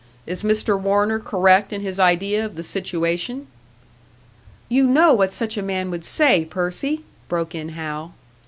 Is Mr. Warner correct in his idea of the situation?" "You know what such a man would say, Percy!" broke in Hal.